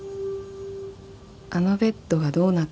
［あのベッドがどうなったのか］